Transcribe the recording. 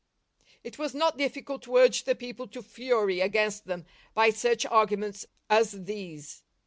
It was not difficult to urge the people to fury against them by such arguments as these.